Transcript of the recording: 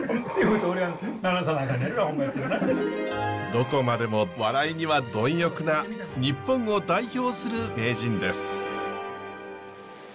どこまでも笑いには貪欲な日本を代表する名人です。